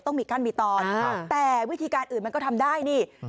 ต้องมีขั้นมีตอนแต่วิธีการอื่นมันก็ทำได้นี่